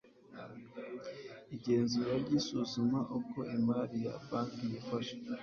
igenzura ry isuzuma uko imari ya banki yifashe